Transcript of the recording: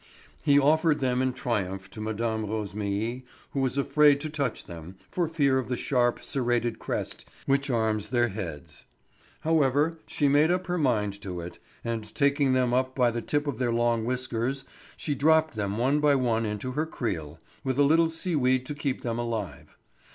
He offered them in triumph to Mme. Rosémilly, who was afraid to touch them, for fear of the sharp, serrated crest which arms their heads. However, she made up her mind to it, and taking them up by the tip of their long whiskers she dropped them one by one into her creel, with a little seaweed to keep them alive.